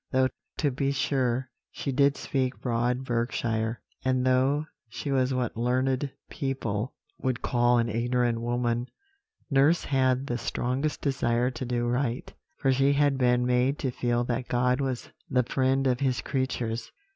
Though, to be sure, she did speak broad Berkshire, and though she was what learned people would call an ignorant woman, nurse had the strongest desire to do right, for she had been made to feel that God was the friend of His creatures.